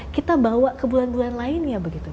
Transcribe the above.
kita bawa ke bulan bulan lainnya begitu